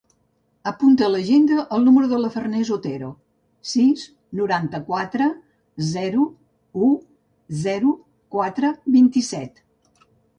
Apunta a l'agenda el número de la Farners Otero: sis, noranta-quatre, zero, u, zero, quatre, vint-i-set.